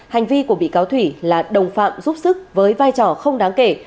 hành vi của bị cáo thủy là đồng phạm giúp sức với vai trò không đáng kể